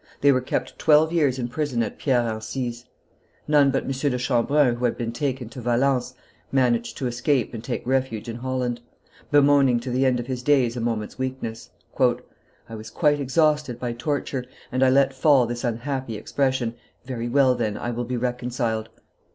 They were kept twelve years in prison at Pierre Encise; none but M. de Chambrun, who had been taken to Valence, managed to escape and take refuge in Holland, bemoaning to the end of his days a moment's weakness. "I was quite exhausted by torture, and I let fall this unhappy expression: 'Very well, then, I will be reconciled.